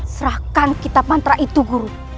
serahkan kitab mantra itu guru